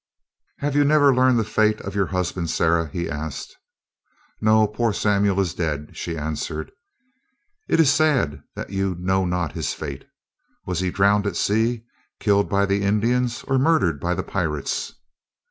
"Have you never learned the fate of your husband, Sarah?" he asked. "No; poor Samuel is dead," she answered. "It is sad that you know not his fate. Was he drowned at sea, killed by the Indians, or murdered by the pirates?"